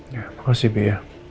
ya makasih bi ya